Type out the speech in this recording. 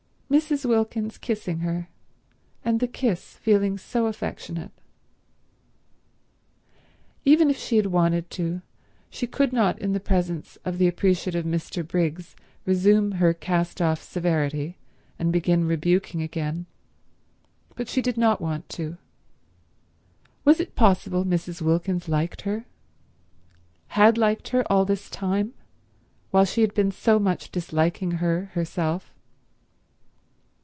Mrs. Wilkins kissing her and the kiss feeling so affectionate. .. Even if she had wanted to she could not in the presence of the appreciative Mr. Briggs resume her cast off severity and begin rebuking again; but she did not want to. Was it possible Mrs. Wilkins liked her— had liked her all this time, while she had been so much disliking her herself?